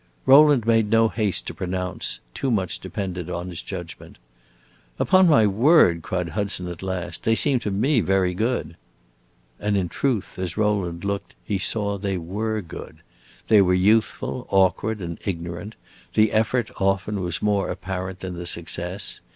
Rowland made no haste to pronounce; too much depended on his judgment. "Upon my word," cried Hudson at last, "they seem to me very good." And in truth, as Rowland looked, he saw they were good. They were youthful, awkward, and ignorant; the effort, often, was more apparent than the success.